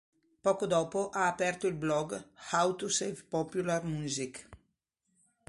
Poco dopo ha aperto il blog How To Save Popular Music.